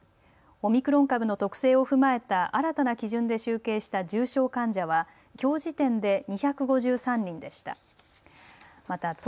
オミクロン株の特性を踏まえた新たな基準で集計した重症患者はきょう時点で２５３人でした。